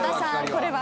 これは？